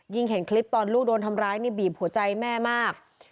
เห็นคลิปตอนลูกโดนทำร้ายนี่บีบหัวใจแม่มาก